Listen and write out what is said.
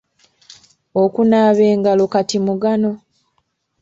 Okunaaba engalo kati mugano.